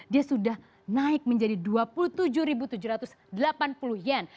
dia sudah naik menjadi dua puluh tujuh tujuh ratus delapan puluh yen